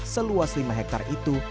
seluas lima hektar itu